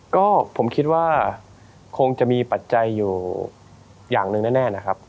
ก็ผมคิดว่าคงจะมีปัจจัยอยู่อย่างหนึ่งแน่นะครับ